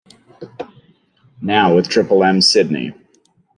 Now with Triple M Sydney.